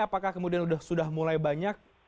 apakah kemudian sudah mulai banyak